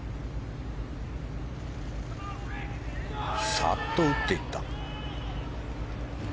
サッと打っていった。